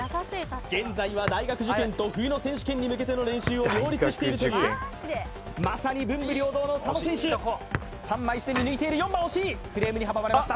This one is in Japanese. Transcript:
現在は大学受験と冬の選手権に向けての練習を両立しているという大学受験まさに文武両道の佐野選手３枚すでに抜いている４番惜しいフレームに阻まれました